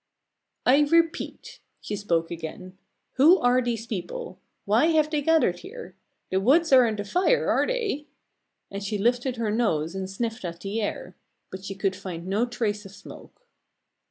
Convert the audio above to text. "I repeat," she spoke again, "who are these people? Why have they gathered here? The woods aren't afire, are they?" And she lifted her nose and sniffed at the air. But she could find no trace of smoke.